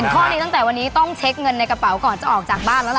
ข้อนี้ตั้งแต่วันนี้ต้องเช็คเงินในกระเป๋าก่อนจะออกจากบ้านแล้วล่ะ